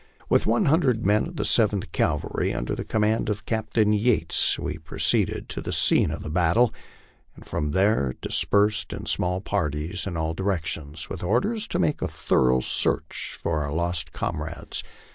With one hundred men of the Seventh Cavalry, under command of Captain Yates, we proceeded to the scene of the battle, and from there dis persed in small parties in all directions, with orders to make a thorough search for our lost comrades.